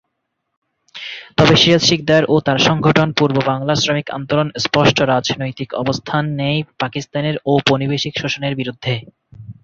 তবে সিরাজ সিকদার ও তার সংগঠন পূর্ব বাংলার শ্রমিক আন্দোলন স্পষ্ট রাজনৈতিক অবস্থান নেয় পাকিস্তানের ঔপনিবেশিক শোষণের বিরুদ্ধে।